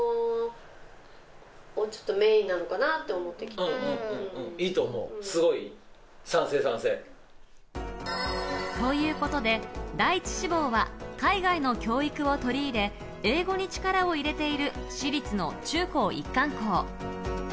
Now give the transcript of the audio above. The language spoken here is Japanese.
英会話には憧れがあるそうで。ということで、第１志望は海外の教育を取り入れ、英語に力を入れている私立の中高一貫校。